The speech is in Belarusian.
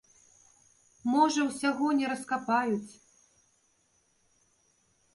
Можа ўсяго не раскапаюць.